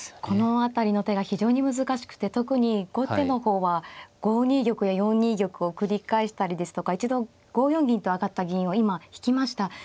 この辺りの手が非常に難しくて特に後手の方は５二玉や４二玉を繰り返したりですとか一度５四銀と上がった銀を今引きました。